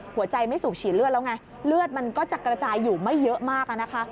หัวใจไม่สูบฉีดเลือดแล้วไงเลือดมันก็จะกระจายอยู่ไม่เยอะมากนะคะ